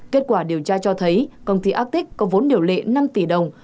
kết quả điều tra cho thấy công ty actic có vốn điều lệ năm tỷ đồng